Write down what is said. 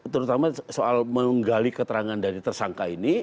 terutama soal menggali keterangan dari tersangka ini